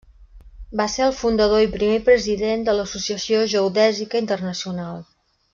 Va ser el fundador i primer president de l'Associació Geodèsica Internacional.